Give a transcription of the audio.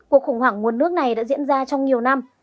cuộc khủng hoảng nguồn nước này đã diễn ra trong nhiều năm